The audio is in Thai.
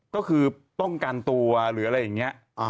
ก็คือป้องกันตัวหรืออะไรอย่างนี้